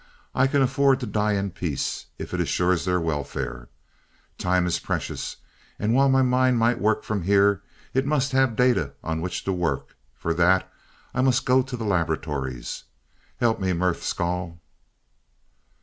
I can afford to die in peace, if it assures their welfare. Time is precious, and while my mind might work from here, it must have data on which to work. For that, I must go to the laboratories. Help me, Merth Skahl."